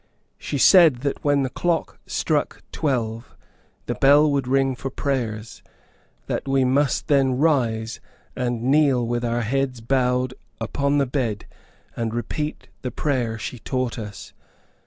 She said that when the clock struck twelve, the bell would ring for prayers; that we must then rise, and kneel with our heads bowed upon the bed, and repeat the prayer she taught us.